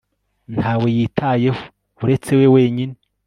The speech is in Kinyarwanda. Ntawe yitayeho uretse we wenyine